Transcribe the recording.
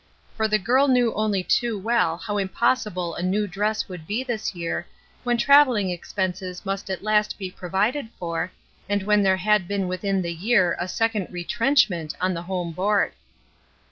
For the girl knew only too well how 291 292 ESTER RIED^S NAMESAKE impossible a new dress would be this year, when travelling expenses must at last be provided for, and when there had been within the year a second ''retrenchment" on the home board.